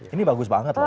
ini bagus banget loh